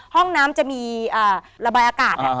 ห้องน้ำจะมีระบายอากาศ